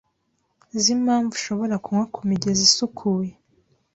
Zimpamvu ushobora kunywa kumigezi isukuye